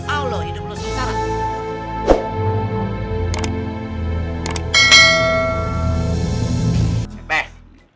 auloh hidup lo susah